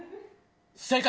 正解！